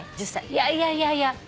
いやいやいやいや。